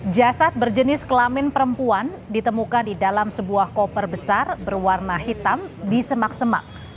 jasad berjenis kelamin perempuan ditemukan di dalam sebuah koper besar berwarna hitam di semak semak